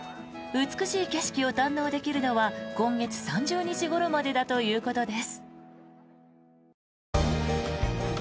美しい景色を堪能できるのは今月３０日ごろまでだということです。